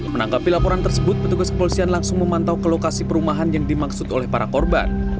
menanggapi laporan tersebut petugas kepolisian langsung memantau ke lokasi perumahan yang dimaksud oleh para korban